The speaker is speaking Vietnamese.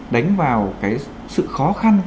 đánh vào cái sự khó khăn